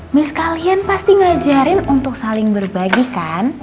miss kalian pasti ngajarin untuk saling berbagi kan